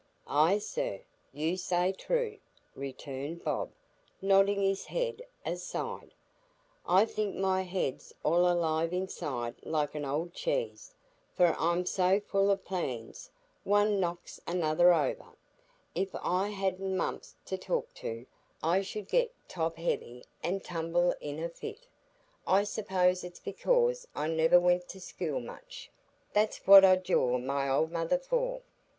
"Ay, sir, you say true," returned Bob, nodding his head aside; "I think my head's all alive inside like an old cheese, for I'm so full o' plans, one knocks another over. If I hadn't Mumps to talk to, I should get top heavy an' tumble in a fit. I suppose it's because I niver went to school much. That's what I jaw my old mother for.